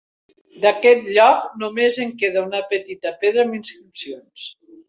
D'aquest lloc només en queda una petita pedra amb inscripcions